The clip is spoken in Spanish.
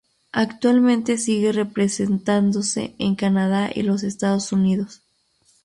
Actualmente sigue representándose en Canadá y los Estados Unidos.